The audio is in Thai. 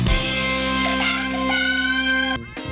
อุ๊ย